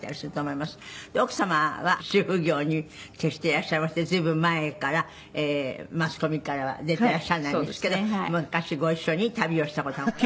奥様は主婦業に徹していらっしゃいまして随分前からマスコミ界は出てらっしゃらないんですけど昔ご一緒に旅をした事がございまして。